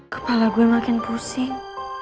kepala gue makin pusing